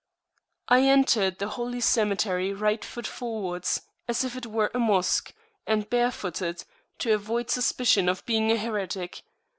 I entered the holy cemetery right foot forwards, as if it were a Mosque, and barefooted, to avoid suspicion of being a heretic.